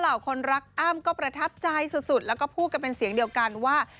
คนรักอ้ำก็ประทับใจสุดแล้วก็พูดกันเป็นเสียงเดียวกันว่า